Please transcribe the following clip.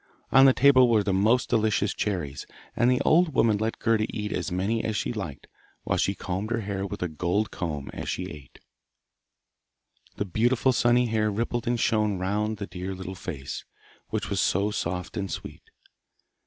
On the table were the most delicious cherries, and the old woman let Gerda eat as many as she liked, while she combed her hair with a gold comb as she ate. The beautiful sunny hair rippled and shone round the dear little face, which was so soft and sweet.